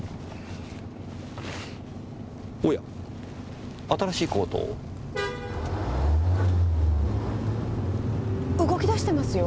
おや新しいコートを？動き出してますよ！？